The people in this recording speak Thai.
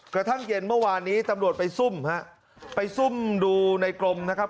กระทั่งเย็นเมื่อวานนี้ตำรวจไปซุ่มฮะไปซุ่มดูในกรมนะครับ